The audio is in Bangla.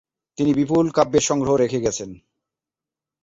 তিনি বিপুল কাব্যের সংগ্রহ রেখে গেছেন।